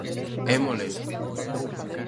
É molesto.